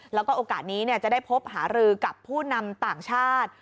แล้วก็โอกาสนี้จะได้พบหารือกับผู้นำต่างชาติ